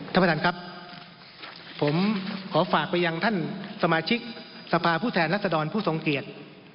ท่านประธานครับผมขอฝากไปยังท่านสมาชิกสภาผู้แทนรัศดรผู้ทรงเกียจ